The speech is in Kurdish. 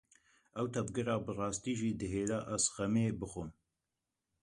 Ew tevger bi rastî jî dihêle ez xemê bixwim.